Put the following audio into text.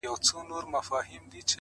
د حقیقت رڼا د فریب پردې څیروي!.